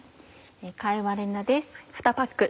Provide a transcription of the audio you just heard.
貝割れ菜です。